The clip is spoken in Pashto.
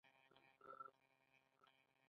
پانګوال تل د اضافي ارزښت وږی وي